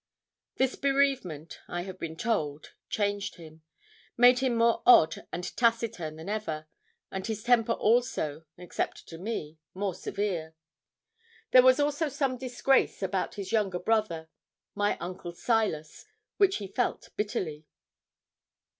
This bereavement, I have been told, changed him made him more odd and taciturn than ever, and his temper also, except to me, more severe. There was also some disgrace about his younger brother my uncle Silas which he felt bitterly.